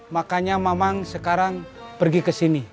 makanya mamang sekarang pergi kesini